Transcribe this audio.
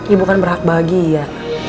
ibu kan berhak bagi ya